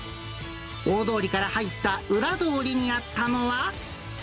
大通りから入った裏通りにあったのは。